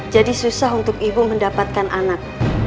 jadi susah untuk ibu mendapatkan anak